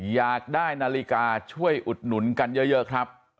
อยากได้นาฬิกาช่วยอุดหนุนกันเยอะครับ